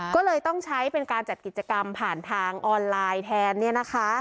ก็เลยต้องใช้เป็นการจัดกิจกรรมผ่านทางออนไลน์แทนเนี่ยนะคะ